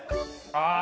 ああ。